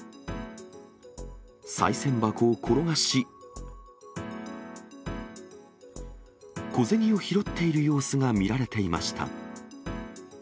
さい銭箱を転がし、小銭を拾っている様子が見られていました。